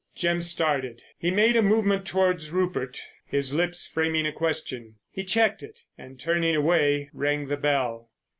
Jim started. He made a movement towards Rupert, his lips framing a question. He checked it, and, turning away, rang the bell.